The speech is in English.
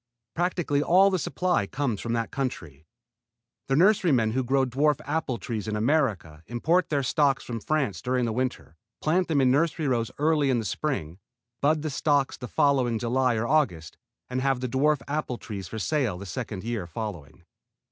Practically all the supply comes from that country. The nurserymen who grow dwarf apple trees in America import their stocks from France during the winter, plant them in nursery rows early in the spring, bud the stocks the following July or August, and have the dwarf apple trees for sale the second year following.